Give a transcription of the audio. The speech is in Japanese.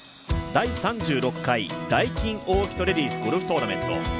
第３６回ダイキンオーキッドレディスゴルフトーナメント。